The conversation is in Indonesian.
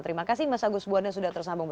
terima kasih mas agus buana sudah tersambung